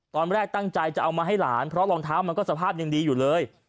ตอนแรกตั้งใจจะเอามาให้หลานเพราะรองเท้ามันก็สภาพยังดีอยู่เลย